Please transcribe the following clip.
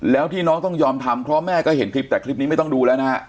แล้วที่น้องต้องยอมทำเพราะแม่ก็เห็นคลิปแต่คลิปนี้ไม่ต้องดูแล้วนะฮะ